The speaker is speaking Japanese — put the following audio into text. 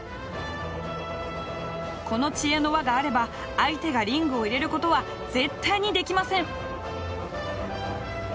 この知恵の輪があれば相手がリングを入れることは絶対にできません！